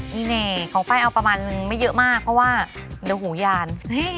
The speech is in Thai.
ีเน่ของไฟล์เอาประมาณนึงไม่เยอะมากเพราะว่าเดี๋ยวหูยาน